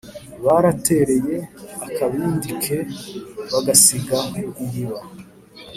baratereye akabindi ke bagasiga ku iriba.